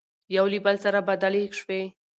يو له بل سره بدلې شوې،